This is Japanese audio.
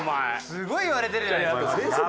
すごい言われてるじゃないですか。